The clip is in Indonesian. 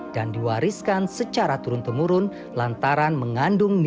dan diwariskan secara turun temurun lantaran mengandung nilai